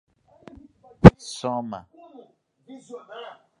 soma